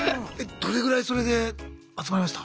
どれぐらいそれで集まりました？